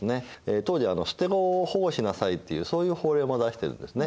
当時は捨て子を保護しなさいっていうそういう法令も出してるんですね。